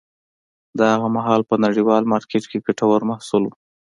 دا هغه مهال په نړیوال مارکېت کې ګټور محصول و.